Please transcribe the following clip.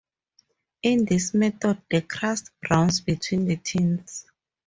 In this method, the crust browns between the tins.